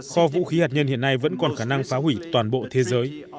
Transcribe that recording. kho vũ khí hạt nhân hiện nay vẫn còn khả năng phá hủy toàn bộ thế giới